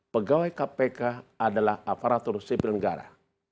pegawai kpk adalah aparatur sipil negara